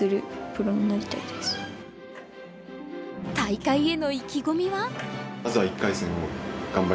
大会への意気込みは？